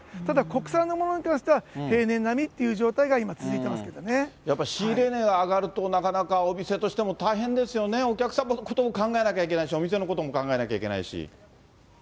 ただ、国産のものに関しては、平年並みっていう状況が今、続いてやっぱり仕入れ値が上がると、なかなかお店としても大変ですよね、お客さんのことも考えなきゃいけないし、お店のことも考えなきゃいけないし。